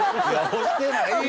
押してない。